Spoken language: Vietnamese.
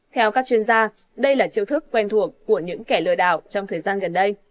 theo các chuyên gia đây là chiêu thức quen thuộc của những kẻ lừa đảo trong thời gian gần đây